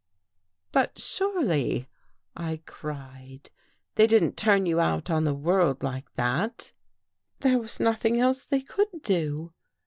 " But surely," I cried, " they didn't turn you out on the world like that." " There was nothing else they could do.